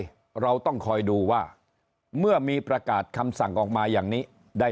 เราต้องคอยดูว่าเมื่อมีประกาศคำสั่งออกมาอย่างนี้ได้